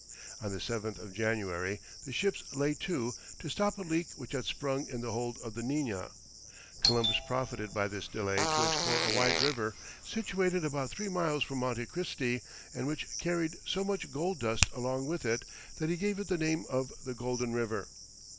On the 7th of January the ships lay to, to stop a leak which had sprung in the hold of the Nina. Columbus profited by this delay to explore a wide river, situated about three miles from Monte Christi, and which carried so much gold dust along with it, that he gave it the name of the Golden River.